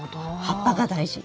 葉っぱが大事。